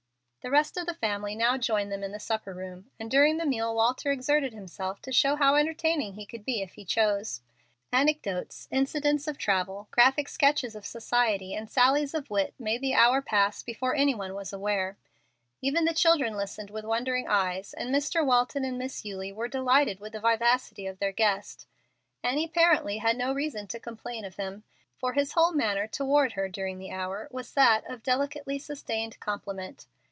The rest of the family now joined them in the supper room, and during the meal Walter exerted himself to show how entertaining he could be if he chose. Anecdotes, incidents of travel, graphic sketches of society, and sallies of wit, made an hour pass before any one was aware. Even the children listened with wondering eyes, and Mr. Walton and Miss Eulie were delighted with the vivacity of their guest. Annie apparently had no reason to complain of him, for his whole manner toward her during the hour was that of delicately sustained compliment.